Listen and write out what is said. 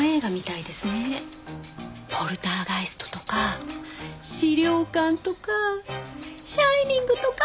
『ポルターガイスト』とか『死霊館』とか『シャイニング』とか！